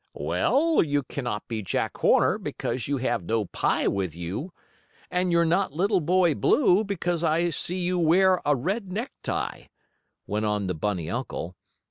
"Well, you cannot be Jack Horner, because you have no pie with you, and you're not Little Boy Blue, because I see you wear a red necktie," went on the bunny uncle.